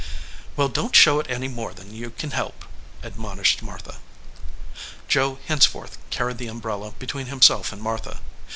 "Well, don t show it any more than you can help," admonished Martha. Joe henceforth carried the umbrella between himself and Martha.